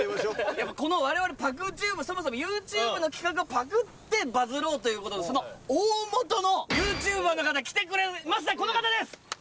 やっぱこの我々「ぱくＴｕｂｅ」そもそもＹｏｕＴｕｂｅの企画をパクってバズろうということでその大元のＹｏｕＴｕｂｅｒの方来てくれましたこの方です！